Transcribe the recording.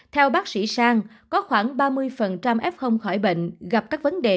theo bác sĩ sang có khoảng ba mươi f khỏi bệnh gặp các vấn đề